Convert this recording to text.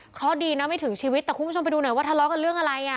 เพราะดีนะไม่ถึงชีวิตแต่คุณผู้ชมไปดูหน่อยว่าทะเลาะกันเรื่องอะไรอ่ะ